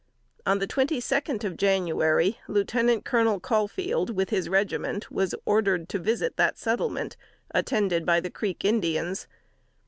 On the twenty second of January, Lieutenant Colonel Caulfield with his regiment was ordered to visit that settlement, attended by the Creek Indians.